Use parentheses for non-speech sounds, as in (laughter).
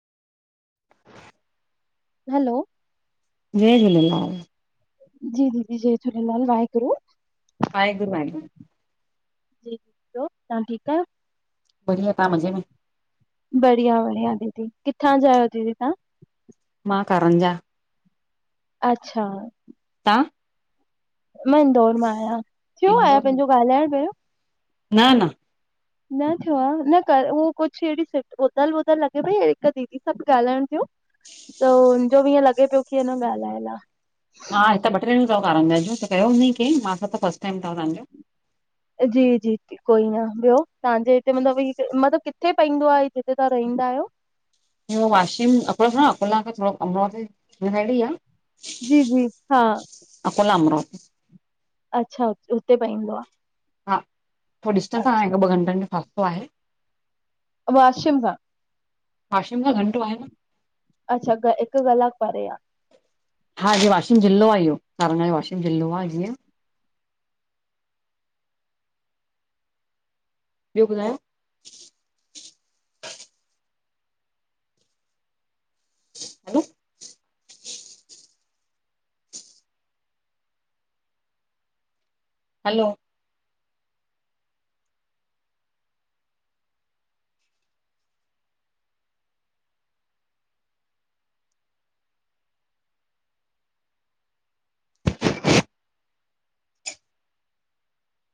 हलो जय झूलेलाल जी दीदी जय झूलेलाल, वाहेगुरुू वाहेगुरु -वाहेगुरु जी, तां ठीकु आयो? बढ़िया, तां मजे में? बढ़िया बढ़िया दीदी, किथां जाआयो दीदी त्हां? मां कारंजा। अच्छा तां? मांं इंदौर मां आहियां, थियो आहियां इंदौर मां पंहिंजो ॻाल्हाइण बेंत? न न न थियो आ, न ई कर उहो कुझु अहिड़ी उधल वधल लॻे पई, हिकु दीदी सा ॿ ॻाल्हाइणु थियो। त हुनजो बि इअं लॻे पियो कि अ न ॻाल्हायल आ। हा, हित ॿ टे ॼणूं अथव कारनजा ॼूं, त कयो हूंदई कें, मां सां त फर्स्ट टाइम थव ताहांजो। जी जी कोई न, ॿियो तव्हांजे हिते मतलब -मतलबु किथे पईंदो आहे जिते तां रइंदा आयो? वाशिम, अको- अकोला खां थोड़ो अमरा साइड ई आ। जी- जी, हा अकोला मां, रो अच्छा हुते पईंदो आ। हा थो ॾिस्टंस अच्छा आहे हिकु ॿ घंटनि जो फासलो आहे। वाशिम सां वाशिम खां घंटो आहे न। अच्छा हिकु कलाकु परे आ। हा जीअं वाशिम ज़िलो आहे इहो, सारंग जो वाशिम ज़िलो आहे जीअं। ॿियो ॿुधायो? ह न (inaudible) हलो